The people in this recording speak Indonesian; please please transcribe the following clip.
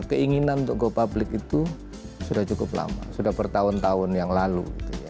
keinginan untuk go public itu sudah cukup lama sudah bertahun tahun yang lalu